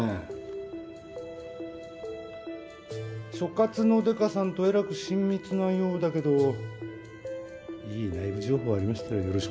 所轄のデカさんとえらく親密なようだけどいい内部情報ありましたらよろしくお願いします。